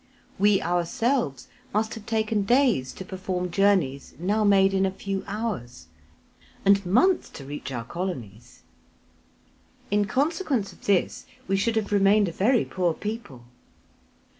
We ourselves must have taken days to perform journeys now made in a few hours, and months to reach our colonies. In consequence of this we should have remained a very poor people.